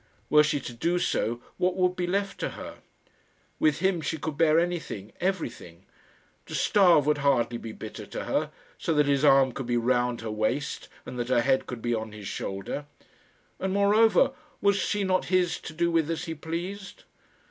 Were she to do so, what would be left to her? With him she could bear anything, everything. To starve would hardly be bitter to her, so that his arm could be round her waist, and that her head could be on his shoulder. And, moreover, was she not his to do with as he pleased?